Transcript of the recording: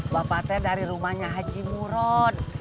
bapaknya dari rumahnya haji muron